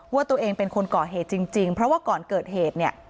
ว่าตัวเองเป็นคนก่อเหตุจริงเพราะว่าก่อนเกิดเหตุเนี่ย